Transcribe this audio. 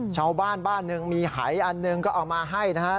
ชาวบ้านบ้านหนึ่งมีหายอันหนึ่งก็เอามาให้นะครับ